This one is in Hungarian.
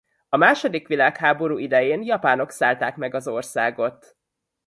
A második világháború idején japánok szállták meg az országot.